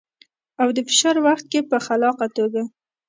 او د فشار وخت کې په خلاقه توګه.